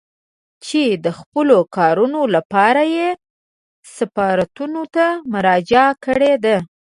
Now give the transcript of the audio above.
چې د خپلو کارونو لپاره يې سفارتونو ته مراجعه کړې ده.